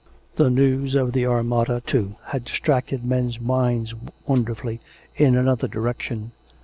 413 The news of the Armada^ too, had distracted men's minds wonderfully in another direction.